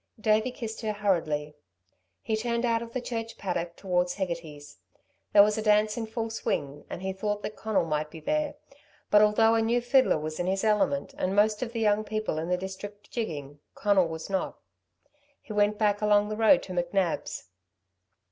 Davey kissed her hurriedly. He turned out of the church paddock towards Hegarty's. There was a dance in full swing, and he thought that Conal might be there. But although a new fiddler was in his element and most of the young people in the district jigging, Conal was not. He went back along the road to McNab's.